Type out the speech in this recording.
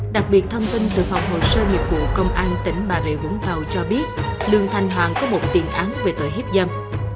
đặc biệt thông tin từ phòng hồ sơ nghiệp vụ công an tỉnh bà rịa vũng tàu cho biết lương thanh hoàng có một tiền án về tội hiếp dâm